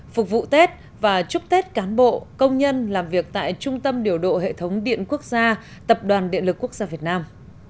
phục vụ tết và chúc tết cán bộ công nhân làm việc tại trung tâm điều độ hệ thống điện quốc gia tập đoàn điện lực quốc gia việt nam